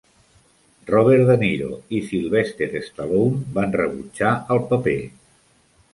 Robert De Niro i Sylvester Stallone van rebutjar el paper.